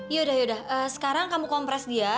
yaudah yaudah sekarang kamu kompres dia